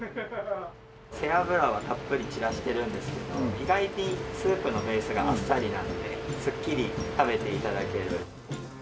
背脂はたっぷり散らしてるんですけど意外にスープのベースがあっさりなのでスッキリ食べて頂ける。